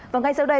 và ngay sau đây